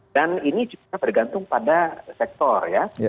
dan ini juga bergantung pada sektor ya